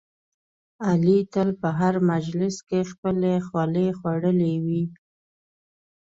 علي تل په هر مجلس کې خپلې خولې خوړلی وي.